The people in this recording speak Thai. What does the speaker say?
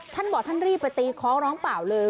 ท่านบอกท่านรีบไปตีค้อร้องเปล่าเลย